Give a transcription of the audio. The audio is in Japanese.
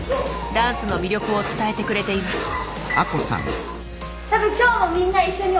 ダンスの魅力を伝えてくれています。